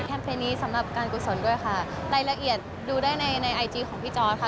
เพลงนี้สำหรับการกุศลด้วยค่ะรายละเอียดดูได้ในในไอจีของพี่จอร์ดค่ะ